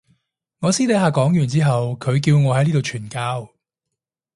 我私底下講完之後佢叫我喺呢度傳教